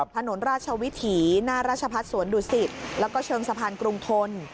ถนนราชวิถีหน้าราชพัฒน์สวนดุสิตแล้วก็เชิงสะพานกรุงทน